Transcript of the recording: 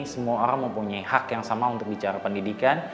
semua orang mempunyai hak yang sama untuk bicara pendidikan